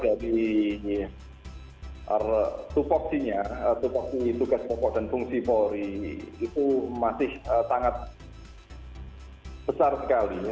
jadi supoksinya supoksi tugas pokok dan fungsi polri itu masih sangat besar sekali